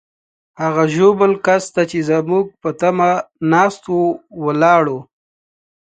هغه ژوبل کس ته چې زموږ په تمه ناست وو، ولاړو.